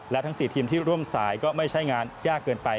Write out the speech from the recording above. และทั้ง๔ทีมที่ร่วมสายก็ไม่ใช่งานยากเกินไป